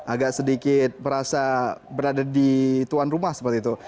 agak sedikit merasa berada di tuan rumah seperti itu